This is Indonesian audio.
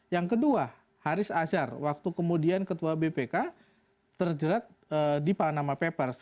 yang kedua haris azhar waktu kemudian ketua bpk terjerat di panama papers